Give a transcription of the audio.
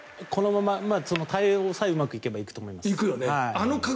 このまま対応さえうまくいけばいくと思います。